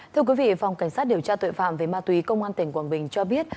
thưa quý vị phòng cảnh sát điều tra tội phạm về ma túy công an tỉnh quảng bình cho biết